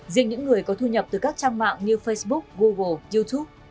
riêng những người có thu nhập từ các trang mạng như facebook google youtube